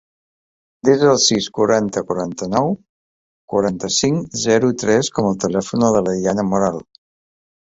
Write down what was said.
Desa el sis, quaranta, quaranta-nou, quaranta-cinc, zero, tres com a telèfon de la Dayana Moral.